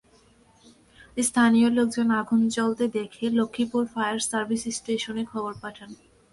স্থানীয় লোকজন আগুন জ্বলতে দেখে লক্ষ্মীপুর ফায়ার সার্ভিস স্টেশনে খবর পাঠান।